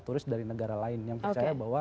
turis dari negara lain yang percaya bahwa